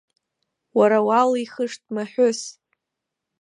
Уара уалихышт маҳәыс!